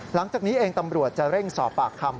หลังจากนี้เองตำรวจจะเร่งสอบปากคำ